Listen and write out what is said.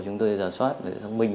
chúng tôi ra soát để giác minh